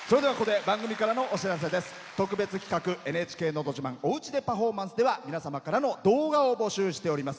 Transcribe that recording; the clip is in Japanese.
特別企画「ＮＨＫのど自慢おうちでパフォーマンス」では皆様からの動画を募集しております。